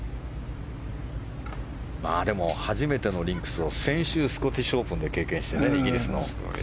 でも初めてのリンクスを先週スコティッシュオープンで経験して、イギリスの。